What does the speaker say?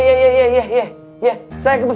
bang kalangzadaius ardekathuh